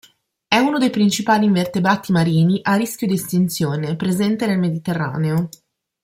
È uno dei principali invertebrati marini a rischio di estinzione, presente nel Mediterraneo.